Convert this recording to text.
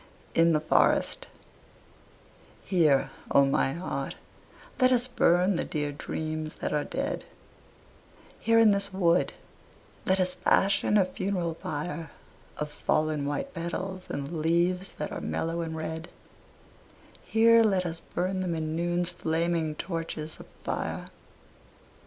IN THE FOREST Here, O my heart, let us burn the dear dreams that are dead, Here in this wood let us fashion a funeral pyre Of fallen white petals and leaves that are mellow and red, Here let us burn them in noon's flaming torches of fire.